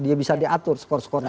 dia bisa diatur skor skornya